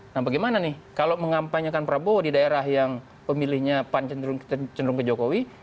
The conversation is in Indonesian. nah bagaimana nih kalau mengampanyekan prabowo di daerah yang pemilihnya pan cenderung ke jokowi